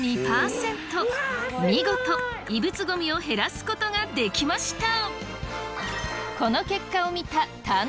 見事異物ゴミを減らすことができました！